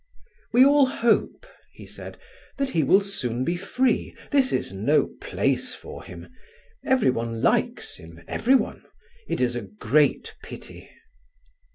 "We all hope," he said, "that he will soon be free; this is no place for him. Everyone likes him, everyone. It is a great pity."